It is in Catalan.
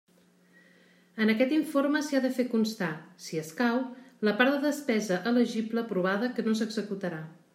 En aquest informe s'hi ha de fer constar, si escau, la part de despesa elegible aprovada que no s'executarà.